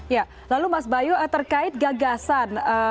ya lalu mas bayu terkait gagasan